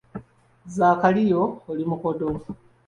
Zaakaliya oli mukodo